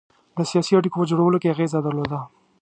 د سیاسي اړېکو په جوړولو کې اغېزه درلوده.